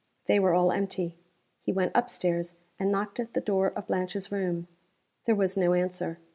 They were all empty. He went up stairs, and knocked at the door of Blanche's room. There was no answer.